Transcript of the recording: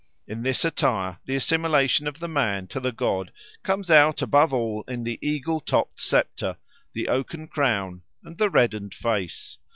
In this attire the assimilation of the man to the god comes out above all in the eagle topped sceptre, the oaken crown, and the reddened face.